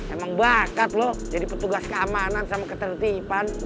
emang bakat loh jadi petugas keamanan sama ketertiban